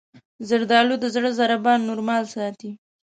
زردالو د زړه ضربان نورمال ساتي.